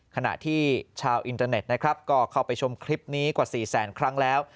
ขณะที่ชาวอินเทอร์เน็ตนะครับก็เข้าไปชมคลิปนี้กว่า๔แสนครั้งแล้ว